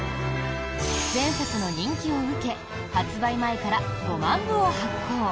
前作の人気を受け発売前から５万部を発行。